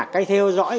cái theo dõi